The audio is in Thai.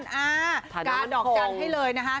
กาดอกจันทร์ให้เลยนะคะ